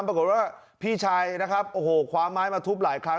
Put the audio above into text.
ปรากฏว่าพี่ชายนะครับขวาม้ายมาทุบหลายครั้ง